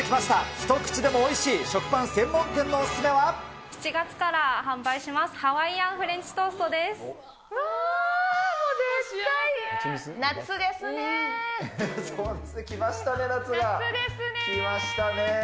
一口でもおいしい食パン専門店の７月から販売します、うわー！